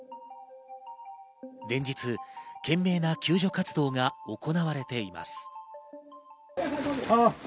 連日、懸命な救助活動が行われています。